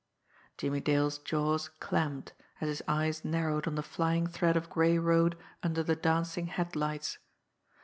Jimmie Dale's jaws clamped, as his eyes narrowed on the flying thread of gray road under the dancing headlights.